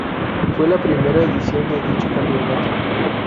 Fue la I edición de dicho campeonato.